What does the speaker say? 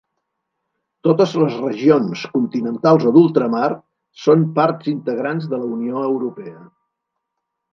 Totes les regions, continentals o d'ultramar, són parts integrants de la Unió Europea.